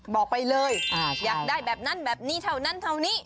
บอกไปเลยอยากได้แบบนั้นแบบนี้เท่านั้นเท่านี้